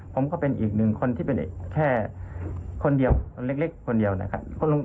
ผมก็เป็นอีกหนึ่งคนที่เป็นเด็กแค่คนเดียวเล็กคนเดียวนะครับ